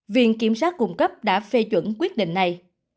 viện kiểm sát cung cấp đã phê chuẩn quyết định này